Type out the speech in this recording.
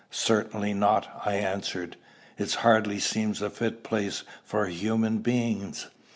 "Certainly not," I answered; "it hardly seems a fit place for human beings.